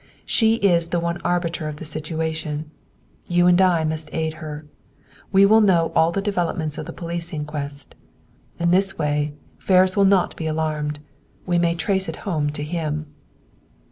She is the one arbiter of the situation; you and I must aid her. We will know all the developments of the police inquest. In this way, Ferris will not be alarmed. We may trace it home to him."